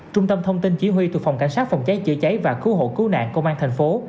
trung tâm thông tin chỉ huy thuộc phòng cảnh sát phòng cháy chữa cháy và cứu hộ cứu nạn công an thành phố